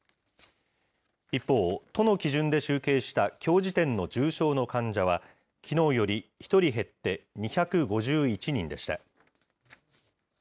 一方、都の基準で集計したきょう時点の重症の患者は、きのうより１人減って２５１人でした。